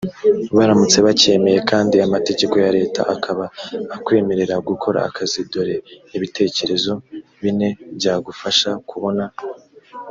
baramutse bacyemeye kandi amategeko ya leta akaba akwemerera gukora akazi dore ibitekerezo bine byagufasha kubona